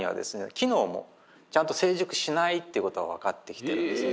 機能もちゃんと成熟しないっていうことが分かってきてるんですね。